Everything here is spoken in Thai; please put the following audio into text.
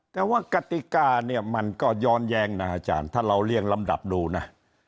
แต่ว่ากฎิกามันก็ย้อนแยงถ้าเราเลี่ยงลำดับดูนะ